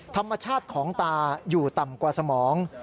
ธรรมชาติของตาอยู่ต่ำกว่าสมอง